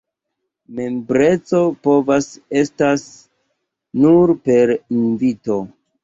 Membreco povas estas nur per invito.